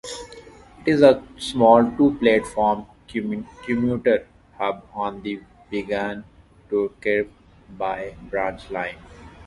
It is a small two-platform commuter hub on the Wigan to Kirkby branch line.